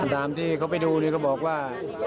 ตามที่เขาไปดูนี่เขาบอกว่า